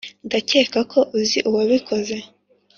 ndakeka ko uzi uwabikoze.